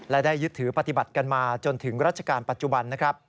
และได้ยึดถือปฏิบัติกันมาจนถึงราชการปัจจุบันนะครับ